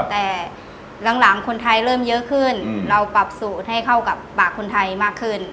แต่หลังคนไทยเริ่มเยอะขึ้นเราปรับสูตรให้เข้ากับปากคนไทยมากขึ้น